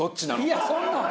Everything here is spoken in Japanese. いやそんな！